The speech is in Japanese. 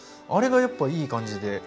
あれがやっぱいい感じで。